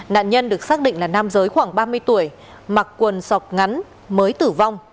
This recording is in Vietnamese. nạn nhân được xác định là nam giới khoảng ba mươi tuổi mặc quần sọc ngắn mới tử vong